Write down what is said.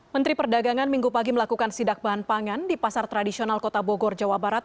menteri perdagangan minggu pagi melakukan sidak bahan pangan di pasar tradisional kota bogor jawa barat